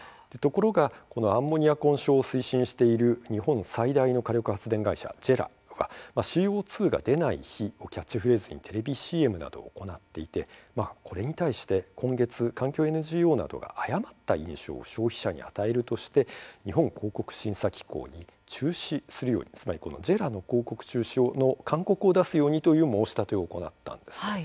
このアンモニア混焼を推進している国内最大の火力発電会社ＪＥＲＡはＣＯ２が出ない火をキャッチフレーズにテレビＣＭを行っていてこれに対して今月、環境ＮＧＯなどが誤った印象を消費者に与えるとして日本広告審査機構にＪＥＲＡの広告中止勧告を出すようにという申し立てを行ったんです。